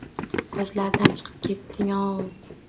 Koʼzlaridan chiqib ketding-ooo